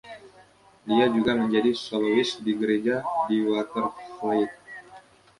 Dia juga menjadi solois di gereja di Watervliet.